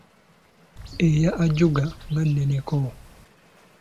Eya Ajuga nga nneneko!